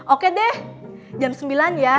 oke deh jam sembilan ya